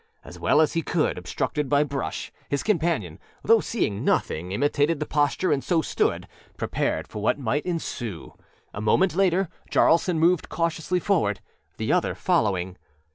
As well as he could, obstructed by brush, his companion, though seeing nothing, imitated the posture and so stood, prepared for what might ensue. A moment later Jaralson moved cautiously forward, the other following.